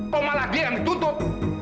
kau malah dia yang ditutup